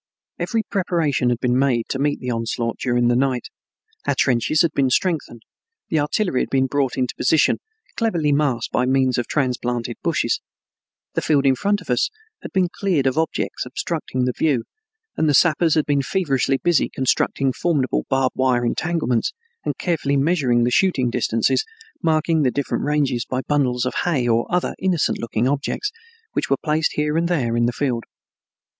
Every preparation had been made to meet the onslaught during the night. Our trenches had been strengthened, the artillery had been brought into position, cleverly masked by means of transplanted bushes, the field in front of us had been cleared of objects obstructing the view, and the sappers had been feverishly busy constructing formidable barbed wire entanglements and carefully measuring the shooting distances, marking the different ranges by bundles of hay or other innocent looking objects, which were placed here and there in the field.